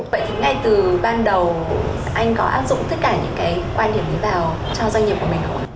vậy thì ngay từ ban đầu anh có áp dụng tất cả những cái quan điểm gì vào cho doanh nghiệp của mình không ạ